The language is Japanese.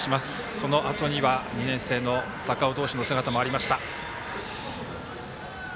そのあとには２年生投手の高尾投手の姿もありました。